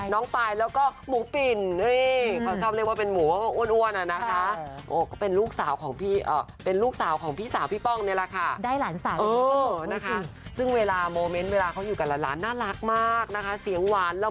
ปายแล้วก็หมูปิ่นนี่เขาชอบเรียกว่าเป็นหมูอ้วนอะนะคะ